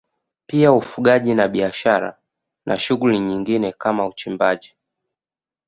Pia ufugaji na biashara na shughuli nyingine kama uchimbaji